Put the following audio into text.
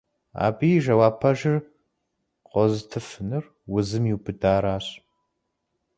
Абы и жэуап пэжыр къозытыфынур узым иубыдаращ.